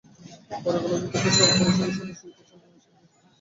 পরে কলেজের অধ্যক্ষসহ পরিচালনা পরিষদের সদস্য ও ইউপি চেয়ারম্যান বিষয়টি মীমাংসা করেন।